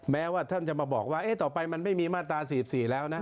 แม้ว่าท่านจะมาบอกว่าต่อไปมันไม่มีมาตรา๔๔แล้วนะ